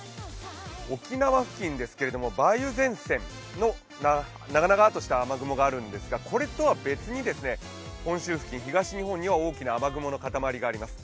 沖縄付近ですけど、梅雨前線の長々とした雨雲があるんですが、これとは別に本州付近、東日本には大きな雨雲の固まりがあります。